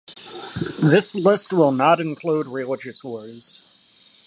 This list will not include religious wars.